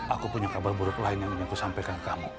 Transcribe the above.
aku punya kabar buruk lain yang ingin aku sampaikan ke kamu